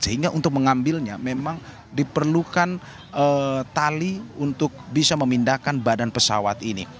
sehingga untuk mengambilnya memang diperlukan tali untuk bisa memindahkan badan pesawat ini